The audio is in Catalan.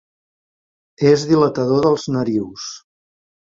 És dilatador dels narius.